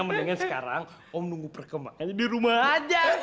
mendingan sekarang om nunggu perkembangannya di rumah aja